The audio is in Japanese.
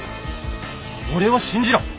俺を信じろ！